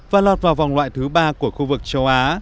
và lọt vào vòng loại thứ ba của khu vực châu á